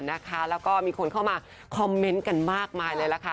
แล้วก็มีคนเข้ามาคอมเมนต์กันมากมายเลยล่ะค่ะ